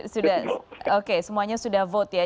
sudah oke semuanya sudah vote ya